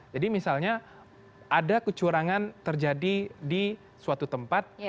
jadi misalnya ada kecurangan terjadi di suatu tempat